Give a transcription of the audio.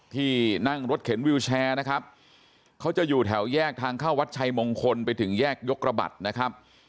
ที่นั่งรถเข็นวิวแชร์นะครับเขาจะอยู่แถวแยกทางเข้าวัดชัยมงคลไปถึงแยกยกระบัดนะครับ